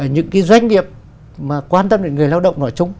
những cái doanh nghiệp mà quan tâm đến người lao động nói chung